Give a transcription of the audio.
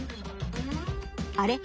あれ？